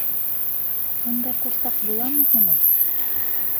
— Ундай ҡурсаҡ буламы һуң ул?